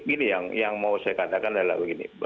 ini yang mau saya katakan adalah begini